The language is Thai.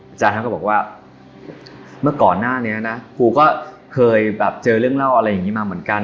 อาจารย์ท่านก็บอกว่าเมื่อก่อนหน้านี้นะครูก็เคยแบบเจอเรื่องเล่าอะไรอย่างนี้มาเหมือนกัน